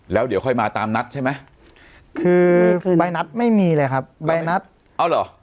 แล้วเดี๋ยวค่อยมาตามนัดใช่ไหมคือใบนัดไม่มีเลยครับใบนัดเอาเหรอ